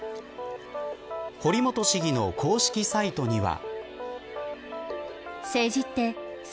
堀本市議の公式サイトには。